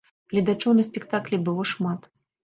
Гледачоў на спектаклі было шмат.